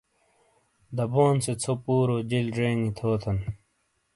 دبون سے ژھو پُورو جیل زینگی تھوتن!